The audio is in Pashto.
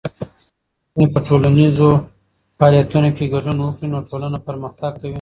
که نجونې په ټولنیزو فعالیتونو کې ګډون وکړي، نو ټولنه پرمختګ کوي.